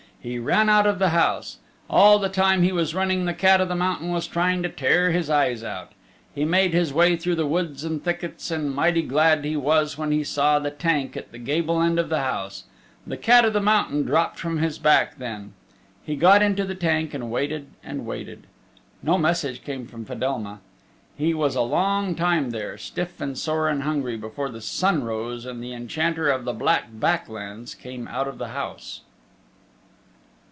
He ran out of the house. All the time he was running the cat o' the mountain was trying to tear his eyes out. He made his way through woods and thickets, and mighty glad he was when he saw the tank at the gable end of the house. The cat 'o the mountain dropped from his back then. He got into the tank and waited and waited. No message came from Fedelma. He was a long time there, stiff and sore and hungry, before the sun rose and the Enchanter of the Black Back Lands came out of the house.